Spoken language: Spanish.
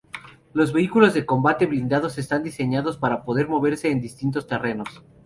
Los vehículos de combate blindados están diseñados para poder moverse en distintos terrenos.